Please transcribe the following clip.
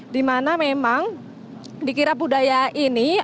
dimana memang di kirap budaya ini